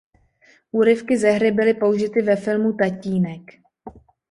Úryvky ze hry byly použity ve filmu Tatínek.